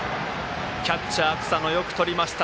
キャッチャー草野よくとりました。